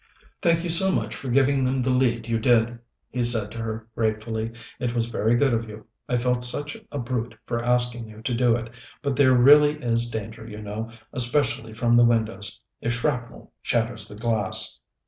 "Thank you so much for giving them the lead you did," he said to her gratefully. "It was very good of you. I felt such a brute for asking you to do it; but there really is danger, you know, especially from the windows, if shrapnel shatters the glass."